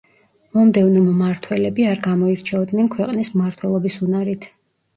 მომდევნო მმართველები არ გამოირჩეოდნენ ქვეყნის მმართველობის უნარით.